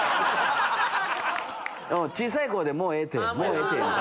小さい声で「もうええって」。